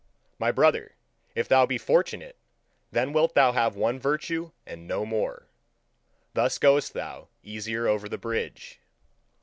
My brother, if thou be fortunate, then wilt thou have one virtue and no more: thus goest thou easier over the bridge.